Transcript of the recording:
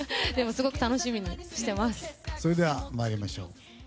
それでは、参りましょう。